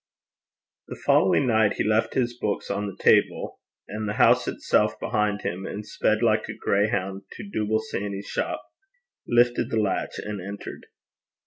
The following night, he left his books on the table, and the house itself behind him, and sped like a grayhound to Dooble Sanny's shop, lifted the latch, and entered.